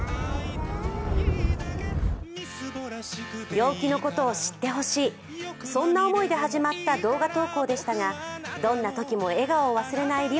病気のことを知ってほしい、そんな思いで始まった動画投稿でしたがどんなときも笑顔を忘れないり